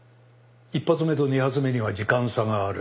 １発目と２発目には時間差がある。